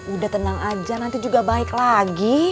udah tenang aja nanti juga baik lagi